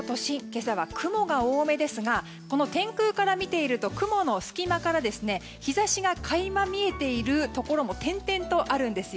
今朝は雲が多めですがこの天空から見ていると雲の隙間から日差しが垣間見えているところも点々とあるんです。